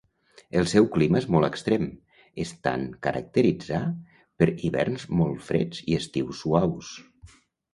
El seu clima és molt extrem, estant caracteritzar per hiverns molt freds i estius suaus.